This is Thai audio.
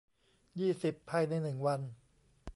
ยี่สิบ ภายใน หนึ่ง วัน